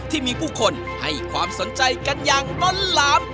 ที่มีผู้คนให้ความสนใจกันอย่างล้นหลาม